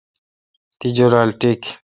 تی جولال ٹیک۔